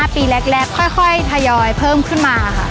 ปีแรกค่อยทยอยเพิ่มขึ้นมาค่ะ